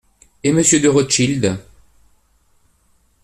Et Monsieur de Rothschild…